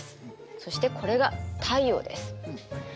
そしてこれが太陽です。